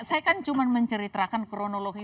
saya kan cuma menceritakan kronologi